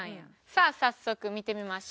さあ早速見てみましょう。